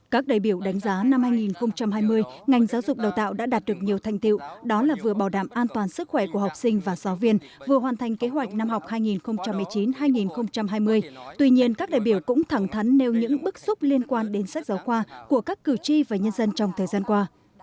các đại biểu đánh giá năm hai nghìn hai mươi ngành giáo dục đào tạo đã đạt được nhiều thành tiệu đó là vừa bảo đảm an toàn sức khỏe của học sinh và giáo viên vừa hoàn thành kế hoạch năm học hai nghìn một mươi chín hai nghìn hai mươi tuy nhiên các đại biểu cũng thẳng thắn nêu những bức xúc liên quan đến sách giáo khoa của các cử tri và nhân dân trong thời gian qua